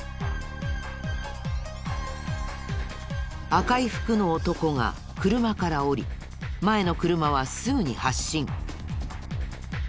赤い服の男が車から降り前の車はすぐに発進。